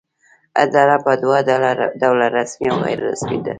اداره په دوه ډوله رسمي او غیر رسمي ده.